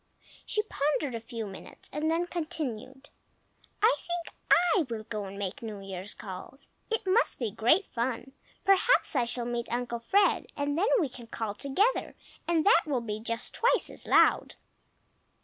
She pondered a few minutes and then continued, "I think I will go and make New Year's calls. It must be great fun! Perhaps I shall meet Uncle Fred, and then we can call together, and that will be just twice as loud."